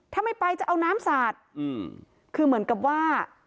ถ้าไม่ไปจะเอาน้ำสาดคือเหมือนกับว่า